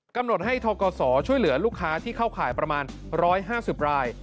กำหนดให้ทกศช่วยเหลือลูกค้าที่เข้าข่ายประมาณ๑๕๐ราย